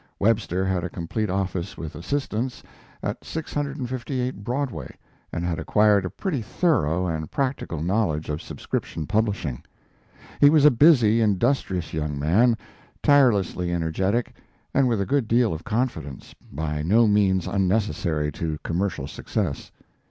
Webster had a complete office with assistants at 658 Broadway, and had acquired a pretty thorough and practical knowledge of subscription publishing. He was a busy, industrious young man, tirelessly energetic, and with a good deal of confidence, by no means unnecessary to commercial success.